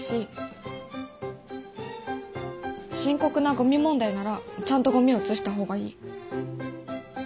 深刻なゴミ問題ならちゃんとゴミを写した方がいい。